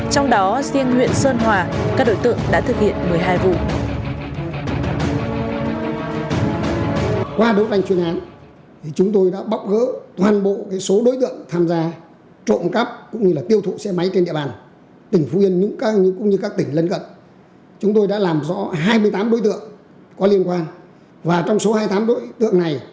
trong đó riêng huyện sơn hòa các đối tượng đã thực hiện một mươi hai vụ